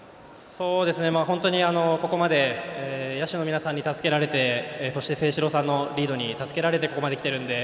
本当にここまで野手の皆さんに助けられてそして、誠志郎さんのリードに助けられてここまで、きてるので。